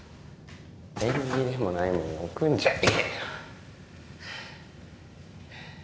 縁起でもないもん置くんじゃねえよ！